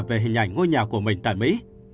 về hình ảnh ngôi nhà của mình tại mỹ